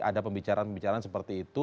ada pembicaraan pembicaraan seperti itu